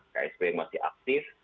ksb yang masih aktif